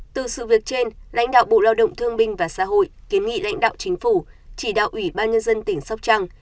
từ sự việc trên lãnh đạo bộ lao động thương binh và xã hội kiến nghị lãnh đạo chính phủ chỉ đạo ủy ban nhân dân tỉnh sóc trăng